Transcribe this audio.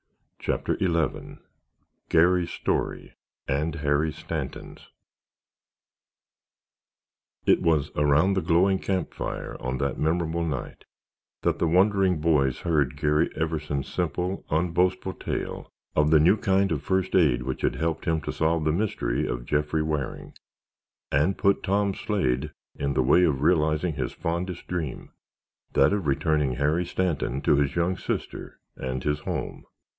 CHAPTER XI GARRY'S STORY AND HARRY STANTON'S It was around the glowing camp fire on that memorable night that the wondering boys heard Garry Everson's simple, unboastful tale of the new kind of first aid which had helped him to solve the mystery of Jeffrey Waring and put Tom Slade in the way of realizing his fondest dream—that of returning Harry Stanton to his young sister and his home.